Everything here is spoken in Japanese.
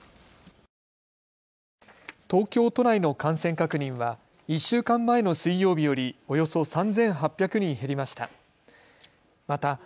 東京都内の感染確認は１週間前の水曜日よりおよそ３８００人減りました。